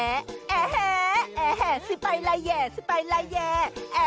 แอ้แห้แอ้แห้ซิไปไล่แยะซิไปไล่แยะ